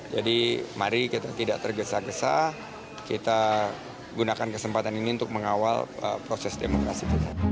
jadi mari kita tidak tergesa gesa kita gunakan kesempatan ini untuk mengawal proses demokrasi